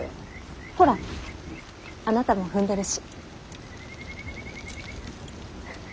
ほらあなたも踏んでるし。